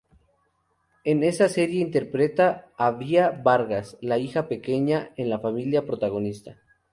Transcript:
En esta serie interpreta a Bea Vargas, la hija pequeña en la familia protagonista.